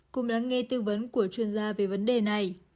cùng lắng nghe tư vấn của chuyên gia về vấn đề này